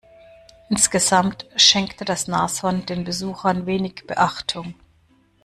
Insgesamt schenkte das Nashorn den Besuchern wenig Beachtung.